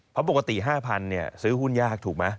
เพราะปกติ๕๐๐ซื้อหุ้นยากถูกไหม